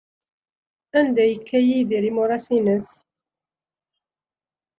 Anda ay yekka Yidir imuras-nnes?